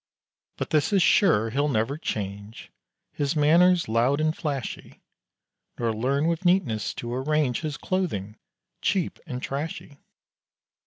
But this is sure, he'll never change His manners loud and flashy, Nor learn with neatness to arrange His clothing, cheap and trashy.